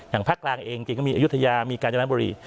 อย่างภาคกลางเองจริงก็มีอยุธยามีการเจ้าน้ำบุรี